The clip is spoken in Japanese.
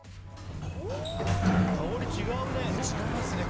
香り違うね。